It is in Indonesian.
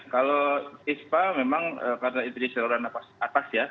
kalau ispa memang karena itu di saluran nafas atas ya